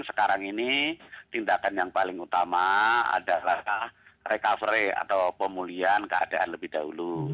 sekarang ini tindakan yang paling utama adalah recovery atau pemulihan keadaan lebih dahulu